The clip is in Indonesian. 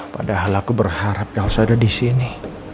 padahal aku berharap kamu ada di sini